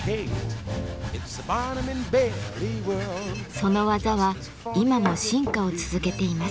その技は今も進化を続けています。